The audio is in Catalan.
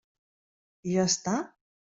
I ja està?